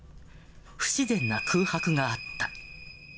不自然な空白があった。